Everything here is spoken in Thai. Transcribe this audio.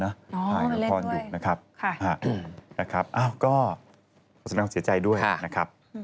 อ๋อมาเล่นด้วยค่ะนะครับอ้าวก็ขอบคุณครับเสียใจด้วยนะครับ